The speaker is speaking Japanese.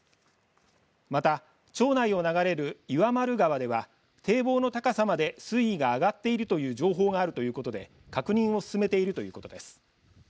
また町内を流れる岩丸川では堤防の高さまで水位が上がっているという情報があるということで確認を進めているということです。